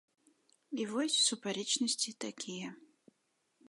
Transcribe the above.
І вось супярэчнасці такія.